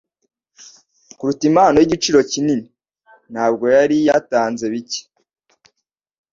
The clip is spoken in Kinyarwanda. kuruta impano y'igiciro kinini. Nubwo yari yatanze bike,